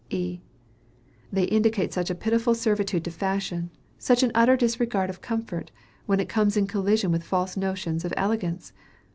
E. They indicate such a pitiful servitude to fashion, such an utter disregard of comfort, when it comes in collision with false notions of elegance!